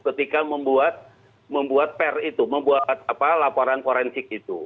ketika membuat per itu membuat laporan forensik itu